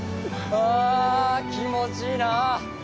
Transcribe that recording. あ気持ちいいなあ！